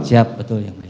siap betul yang mulia